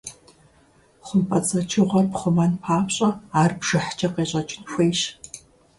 ХъумпӀэцӀэджыгъуэр пхъумэн папщӀэ, ар бжыхькӀэ къещӀэкӀын хуейщ.